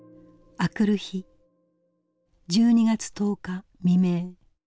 明くる日１２月１０日未明。